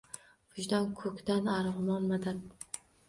Vijdon – Koʼkdan armugʼon – maʼdan